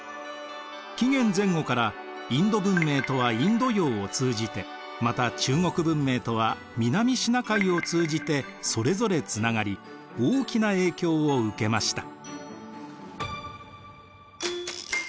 紀元前後からインド文明とはインド洋を通じてまた中国文明とは南シナ海を通じてそれぞれつながり大きな影響を受けました。